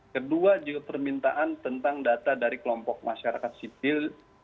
kedua juga permintaan tentang data dari kelompok masyarakat sipil